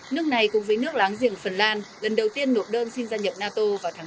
nước này cùng với nước láng giềng phần lan lần đầu tiên nộp đơn xin gia nhập nato vào tháng bốn